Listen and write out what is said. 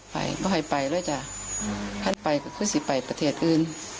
ไปก็ให้ไปแล้วจ้ะท่านไปก็ขึ้นสิไปประเทศอื่น